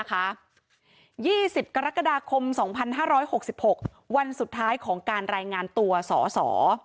๒๐กรกฎาคม๒๕๖๖วันสุดท้ายของการรายงานตัวสอสอ